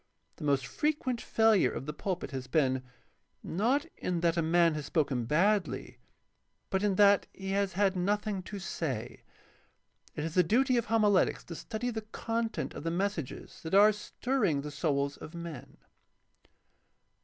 The most fre quent failure of the pulpit has been, not in that a man has spoken badly, but in that he has had nothing to say. It is the duty of homiletics to study the content of the messages that are stirring the souls of men.